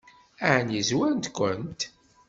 Ɛni zwaren-kent?